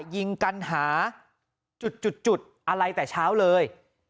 ยิงกันหาจุดอะไรแต่เช้าเลย